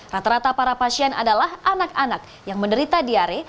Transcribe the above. rata rata para pasien adalah anak anak yang menderita diare